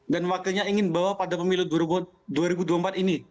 dan wakilnya ingin bawa pada pemilihan dua ribu dua puluh empat ini